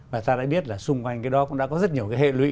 và ta đã biết là xung quanh cái đó cũng đã có rất nhiều cái hệ lụy